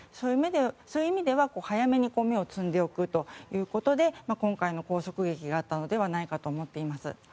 そういう意味では早めに芽を摘んでおくということで今回の拘束劇があったのではないかと思っています。